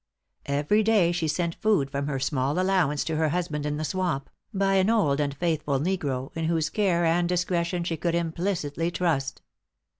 Every day she sent food from her small allowance to her husband in the swamp, by an old and faithful negro, in whose care and discretion she could implicitly trust.